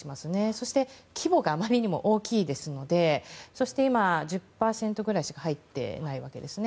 そして規模があまりにも大きいですのでそして、今、１０％くらいしか入っていないわけですね。